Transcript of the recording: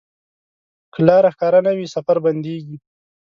که لاره ښکاره نه وي، سفر بندېږي.